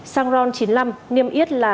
xăng ron chín mươi năm niêm yết là